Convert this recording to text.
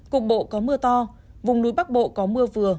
cục bộ có mưa to vùng núi bắc bộ có mưa vừa